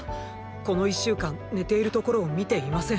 この１週間寝ているところを見ていません。